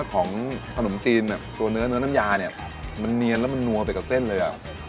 ของขนมจีนแบบตัวเนื้อเนื้อน้ำยาเนี่ยมันเนียนแล้วมันนัวไปกับเส้นเลยอ่ะ